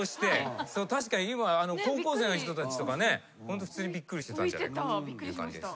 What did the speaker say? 確かに今高校生の人たちとかね普通にびっくりしてたんじゃないかという感じですよね。